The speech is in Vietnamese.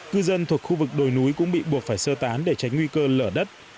cư dân thuộc khu vực đồi núi cũng bị buộc phải sơ tán để tránh nguy cơ lở đất